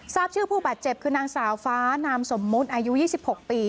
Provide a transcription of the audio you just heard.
ทราบชื่อผู้บาดเจ็บคือนางสาวฟ้านามสมมุติอายุ๒๖ปี